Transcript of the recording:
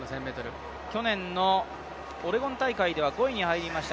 去年のオレゴン大会では５位に入りました。